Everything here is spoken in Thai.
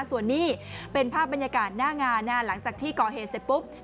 ส่วนนี้เป็นภาพบรรยากาศหน้างานหลังจากที่ก่อเหตุเสร็จปุ๊บ